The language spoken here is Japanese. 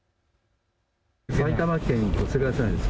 埼玉県越谷市です。